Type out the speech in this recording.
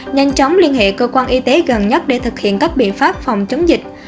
nhanh chóng liên hệ cơ quan y tế gần nhất để thực hiện các biện pháp phòng chống dịch